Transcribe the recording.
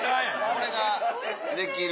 これができる。